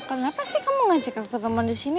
kenapa sih kamu ngajakin ketemu di sini